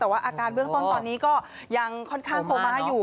แต่ว่าอาการเบื้องต้นตอนนี้ก็ยังค่อนข้างโคม่าอยู่